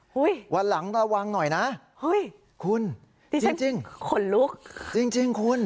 หุ้ยวันหลังระวังหน่อยนะหุ้ยคุณจริงขนลุกจริงคุณ